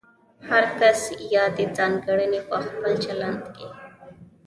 هر کس یادې ځانګړنې په خپل چلند کې